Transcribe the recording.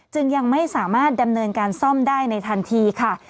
จึงยังไม่สามารถดำเนินการซ่อมได้ในทันทีค่ะ